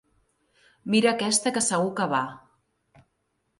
Mira aquesta que segur que va.